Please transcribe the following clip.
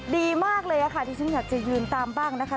ดีมากเลยค่ะที่ฉันอยากจะยืนตามบ้างนะคะ